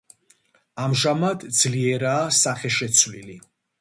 ამჟამად ძლიერაა სახეშეცვლილი.